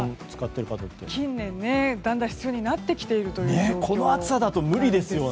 近年だんだん必要になってきている状況なんですね。